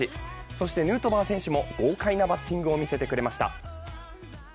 そして、ヌートバー選手も豪快なバッティングを見せてくれました。